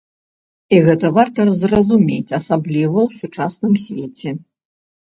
І гэта варта зразумець, асабліва ў сучасным свеце.